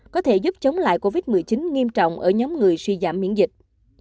có thể giúp chống lại covid một mươi chín nghiêm trọng ở nhóm người suy giảm miễn dịch